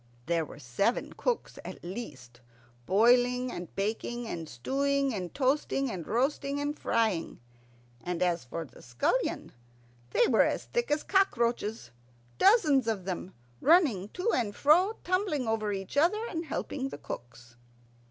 There were seven cooks at least, boiling and baking, and stewing and toasting, and roasting and frying. And as for scullions, they were as thick as cockroaches, dozens of them, running to and fro, tumbling over each other, and helping the cooks.